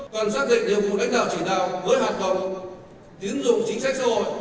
cần xác định nhiệm vụ đánh đạo chỉ đạo với hạt động tín dụng chính sách xã hội